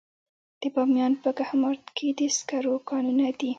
د بامیان په کهمرد کې د سکرو کانونه دي.